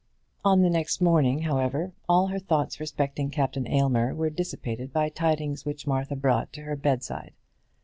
On the next morning, however, all her thoughts respecting Captain Aylmer were dissipated by tidings which Martha brought to her bedside.